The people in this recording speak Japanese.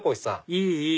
いいいい！